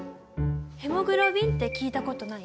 ヘモグロビンって聞いたことない？